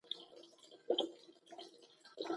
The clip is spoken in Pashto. لومړنۍ زده کړې باید وړیا او جبري شي.